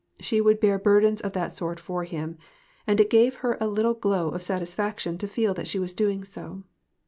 She would bear burdens of that sort for him ; and it gave her a little glow of satisfaction to feel that she was doing so.